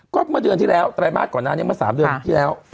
ก็เมื่อเดือนที่แล้วไตรมาสก่อนหน้านี้เมื่อ๓เดือนที่แล้ว